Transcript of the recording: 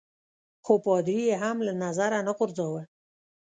خو پادري يي هم له نظره نه غورځاوه.